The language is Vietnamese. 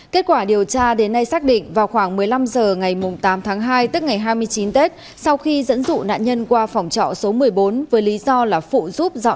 kết quả điều tra đến nay xác định vào khoảng một mươi năm h ngày tám tháng hai tức ngày hai mươi chín tết sau khi dẫn dụ nạn nhân qua phòng trọ số một mươi bốn với lý do là phụ giúp dọn